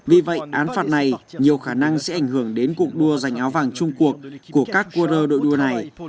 vì vậy án phạt này nhiều khả năng sẽ ảnh hưởng đến cuộc đua giành áo vàng chung cuộc của các urder đội đua này